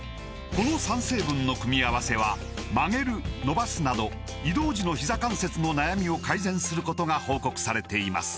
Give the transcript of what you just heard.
この３成分の組み合わせは曲げる伸ばすなど移動時のひざ関節の悩みを改善することが報告されています